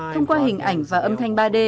thông qua hình ảnh và âm thanh ba d